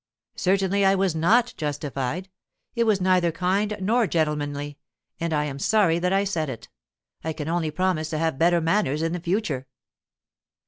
'Certainly I was not justified; it was neither kind nor gentlemanly, and I am sorry that I said it. I can only promise to have better manners in the future.